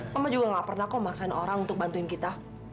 mama juga gak pernah kok memaksain orang untuk bantuin kita